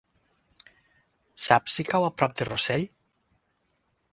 Saps si cau a prop de Rossell?